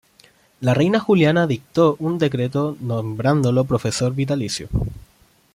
La reina Juliana dictó un decreto nombrándolo profesor vitalicio.